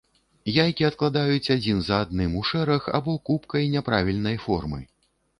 Яйкі адкладаюць адзін за адным у шэраг або купкай няправільнай формы.